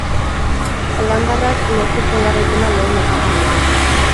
Holandarrak lortu zuen garaipena lehen etapan ere.